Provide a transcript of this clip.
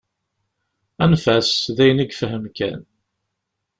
Anef-as, d ayen i yefhem kan.